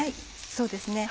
そうですね。